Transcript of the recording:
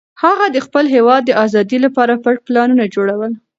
هغه د خپل هېواد د ازادۍ لپاره پټ پلانونه جوړول.